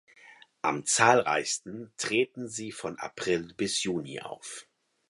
Am zahlreichsten treten sie von April bis Juni auf.